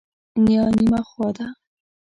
نیا نیمه خوا ده.